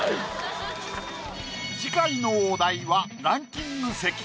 次回のお題は「ランキング席」。